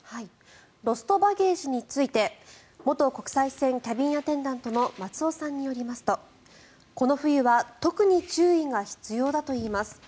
ロストバゲージについて元国際線キャビンアテンダントの松尾さんによりますと、この冬は特に注意が必要だといいます。